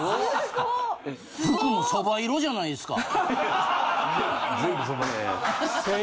・服もそば色じゃないですか。